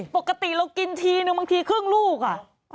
ปกติเรากินทีนึงบางทีครึ่งลูกอ่ะ